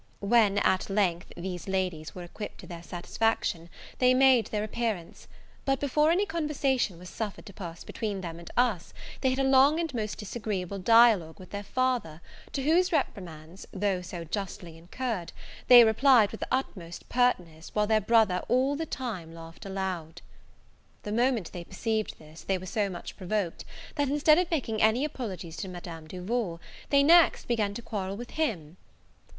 When, at length, these ladies were equipped to their satisfaction, they made their appearance; but before any conversation was suffered to pass between them and us, they had a long and most disagreeable dialogue with their father, to whose reprimands, though so justly incurred, they replied with the utmost pertness while their brother all the time laughed aloud. The moment they perceived this, they were so much provoked, that, instead of making any apologies to Madame Duval, they next began to quarrel with him.